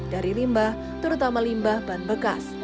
dari limbah terutama limbah ban bekas